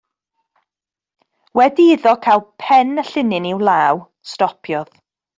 Wedi iddo gael pen y llinyn i'w law, stopiodd.